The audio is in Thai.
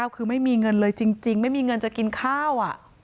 คือไม่มีเงินเลยจริงไม่มีเงินจะกินข้าว